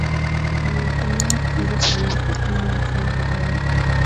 Alihukumia kifungo cha miaka kumi na tano jela